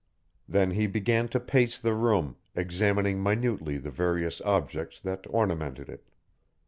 Then he began to pace the room, examining minutely the various objects that ornamented it.